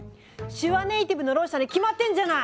手話ネイティブのろう者に決まってんじゃない！